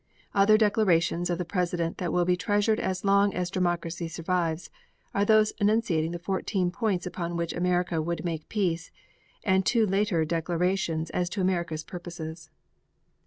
Other declarations of the President that will be treasured as long as democracy survives, are those enunciating the fourteen points upon which America would make peace, and two later declarations as to America's purposes.